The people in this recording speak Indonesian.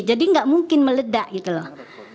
jadi gak mungkin meledak gitu loh